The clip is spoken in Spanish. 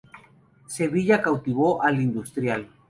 Sevilla cautivó al industrial.